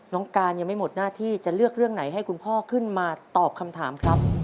น้องการยังไม่หมดหน้าที่จะเลือกเรื่องไหนให้คุณพ่อขึ้นมาตอบคำถามครับ